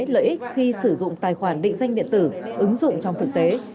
lợi ích khi sử dụng tài khoản định danh điện tử ứng dụng trong thực tế